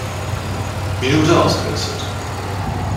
Minute ausgewechselt.